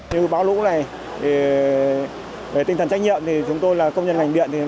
như báo lũ này tinh thần trách nhiệm thì chúng tôi là công nhân lành điện